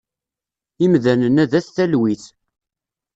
Imdanen-a d at talwit.